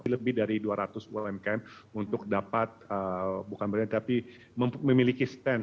lebih dari dua ratus umkm untuk dapat bukan berani tapi memiliki stand